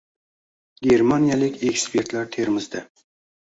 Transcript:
Germaniyalik ekspertlar Termizda